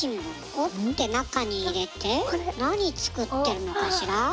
折って中に入れて何作ってるのかしら？